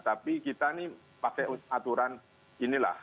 tapi kita ini pakai aturan inilah